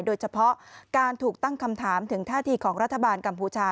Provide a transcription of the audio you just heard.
โดยเฉพาะการถูกตั้งคำถามถึงท่าทีของรัฐบาลกัมพูชา